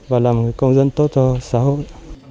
và làm người công dân tốt hơn